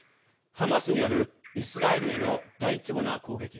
ハマスによるイスラエルへの大規模な攻撃。